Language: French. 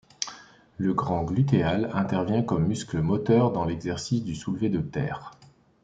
Le grand glutéal intervient comme muscle moteur dans l'exercice du soulevé de terre.